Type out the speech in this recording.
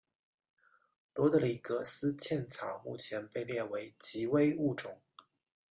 罗德里格斯茜草目前被列为极危物种。